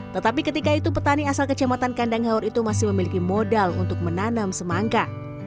tetapi ketika itu petani asal kecamatan kandang haur itu masih memiliki modal untuk menanam semangka